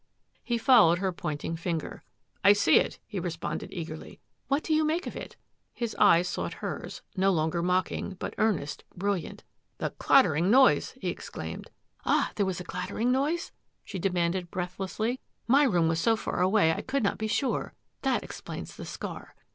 " He followed her pointing finger. " I see it," he responded eagerly. " What do you make of it? " His eyes sought hers, no longer mocking, but earnest, brilliant. " The clattering noise !" he ex claimed. "Ah! There was a clattering noise?" she de manded breathlessly. " My room was so far away I could not be sure. That explains the scar.